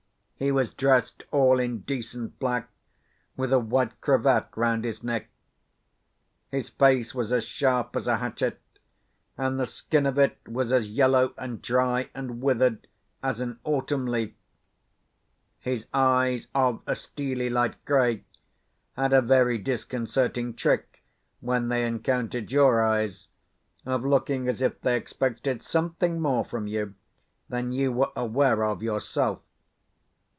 He was dressed all in decent black, with a white cravat round his neck. His face was as sharp as a hatchet, and the skin of it was as yellow and dry and withered as an autumn leaf. His eyes, of a steely light grey, had a very disconcerting trick, when they encountered your eyes, of looking as if they expected something more from you than you were aware of yourself.